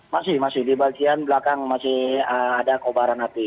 masih masih di bagian belakang masih ada kobaran api